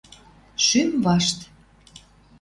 Шӱм вашт